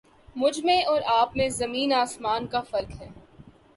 مجھ میں اور آپ میں زمیں آسمان کا فرق ہے